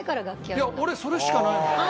いや俺それしかないもん。